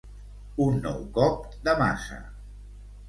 Un nou cop de maça.